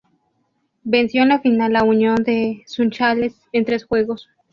Venció en la final a Unión de Sunchales en tres juegos.